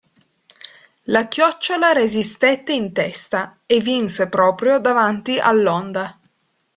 La Chiocciola resistette in testa, e vinse proprio davanti all'Onda.